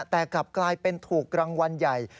แต่กลับกลายเป็นถูกรางวัลใหญ่